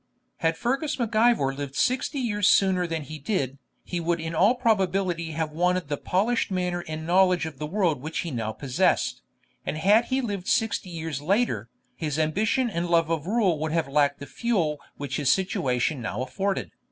Had Fergus Mac Ivor lived Sixty Years sooner than he did, he would in all probability have wanted the polished manner and knowledge of the world which he now possessed; and had he lived Sixty Years later, his ambition and love of rule would have lacked the fuel which his situation now afforded.